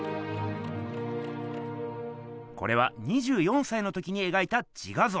これは２４さいの時にえがいた「自画像」。